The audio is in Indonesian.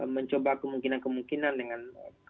mencoba kemungkinan kemungkinan dengan